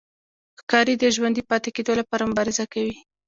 ښکاري د ژوندي پاتې کېدو لپاره مبارزه کوي.